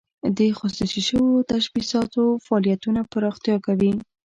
د خصوصي شوو تشبثاتو فعالیتونه پراختیا کوي.